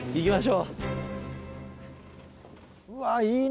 うわいいね！